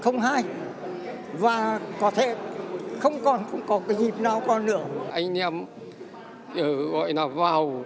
nói lên k detailing